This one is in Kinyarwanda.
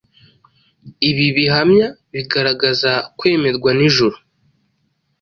Ibi bihamya bigaragaza kwemerwa n’ijuru